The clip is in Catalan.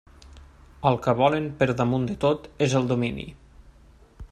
El que volen per damunt de tot és el domini.